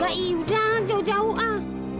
nggak iya udah jauh jauh ah